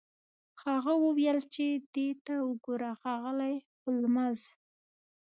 هغه وویل چې دې ته وګوره ښاغلی هولمز